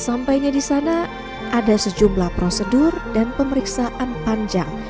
sampainya di sana ada sejumlah prosedur dan pemeriksaan panjang